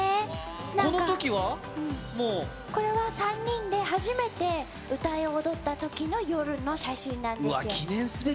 このときは３人で初めて歌い、踊った時の夜の写真です。